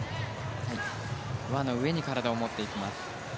輪の上に体を持っていきます。